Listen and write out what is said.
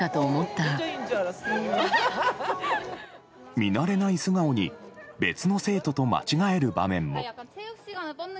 見慣れない素顔に別の生徒と間違える場面も。